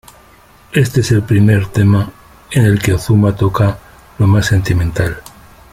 Este es el primer tema en el que Ozuna toca lo más sentimental.